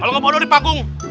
kalau ngebodor dipanggung